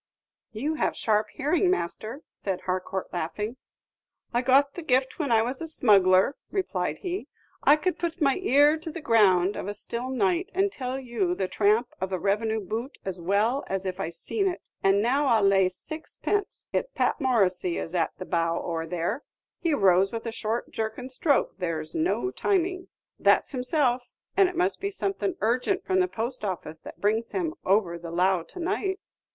"You have sharp hearing, master," said Harcourt, laughing. "I got the gift when I was a smuggler," replied he. "I could put my ear to the ground of a still night, and tell you the tramp of a revenue boot as well as if I seen it. And now I'll lay sixpence it's Pat Morissy is at the bow oar there; he rows with a short jerking stroke there 's no timing. That's himself, and it must be something urgent from the post office that brings him over the lough to night."